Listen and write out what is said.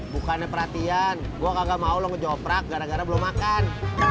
bukannya perhatian gua kagak mau lu ngejoprak gara gara belum makan